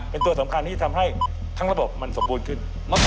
เป็นตัวสำคัญที่ทำให้ทั้งระบบมันสมบูรณ์ขึ้น